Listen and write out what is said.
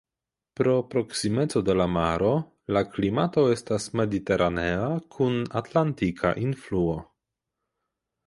Pro proksimeco de la maro, la klimato estas mediteranea kun atlantika influo.